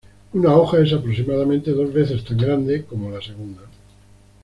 Una hoja es aproximadamente dos veces tan grande como la segunda.